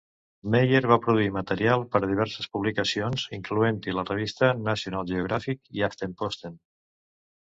Meyer va produir material per a diverses publicacions, incloent-hi la revista National Geographic i Aftenposten.